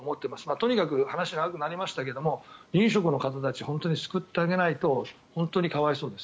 とにかく、話は長くなりましたが飲食の方たちを救ってあげないと本当に可哀想です。